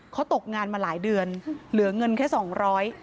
เขาตกงานมาหลายเดือนเหลือเงินแค่สองร้อย